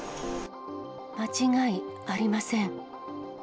間違いありません。